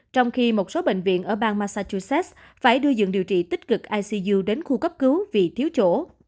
trong khi một số bệnh viện ở bang massachusetts phải đưa dựng điều trị tích cực icu đến khu cấp cứu vì thiếu chỗ